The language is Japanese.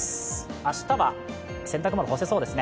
明日は洗濯物、干せそうですね。